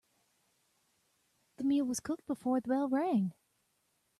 The meal was cooked before the bell rang.